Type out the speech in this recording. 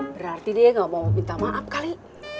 berarti dia gak mau minta maaf kali